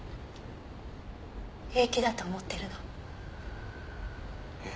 平気だと思ってるの？え？